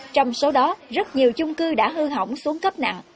trong số đó rất nhiều chung cư đã hư hỏng xuống cấp nặng